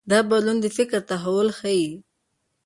دا بدلون د فکر تحول ښيي.